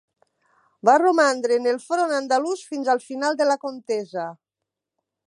Va romandre en el front andalús fins al final de la contesa.